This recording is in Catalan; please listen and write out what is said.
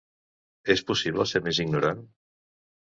És possible ser més ignorant?.